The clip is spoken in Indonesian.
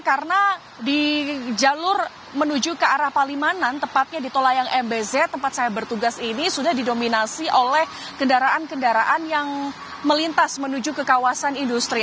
karena di jalur menuju ke arah palimanan tepatnya di tolayang mbz tempat saya bertugas ini sudah didominasi oleh kendaraan kendaraan yang melintas menuju ke kawasan industri